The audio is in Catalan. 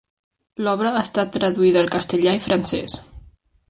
L'obra ha estat traduïda al castellà i francès.